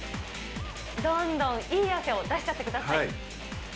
どんどんいい汗を出しちゃってください。